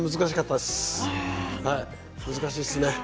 難しいですね。